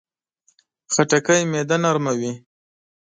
خټکی معده نرموي.